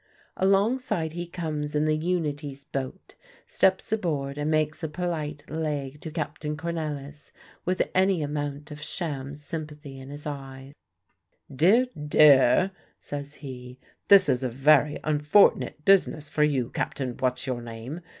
Alongside he comes in the Unity's boat, steps aboard, and makes a polite leg to Captain Cornelisz, with any amount of sham sympathy in his eye. "Dear, dear," says he, "this is a very unfort'nit business for you, Cap'n What's your name!